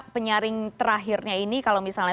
penyaring terakhirnya ini kalau misalnya